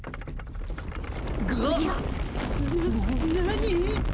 な何？